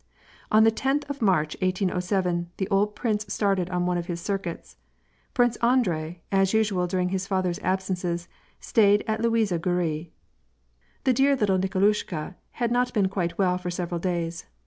On the tenth of March, 1807, the old prince started on one of his circuits. Prince Andrei, as usual during his father's absences, stayed at Luisya Gorui. The dear little Xikolushka had not been quite well for several days.